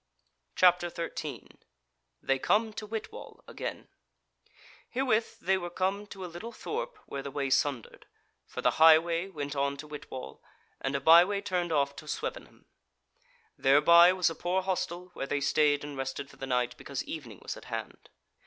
CHAPTER 13 They Come to Whitwall Again Herewith they were come to a little thorp where the way sundered, for the highway went on to Whitwall, and a byway turned off to Swevenham. Thereby was a poor hostel, where they stayed and rested for the night, because evening was at hand.